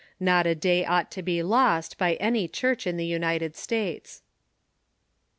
Not a day ought to be lost by any Church in the United States.